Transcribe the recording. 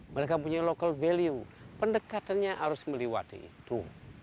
mereka mempunyai keuntungan lokal pendekatannya harus meliwati itu